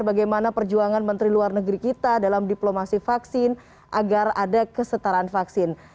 bagaimana perjuangan menteri luar negeri kita dalam diplomasi vaksin agar ada kesetaraan vaksin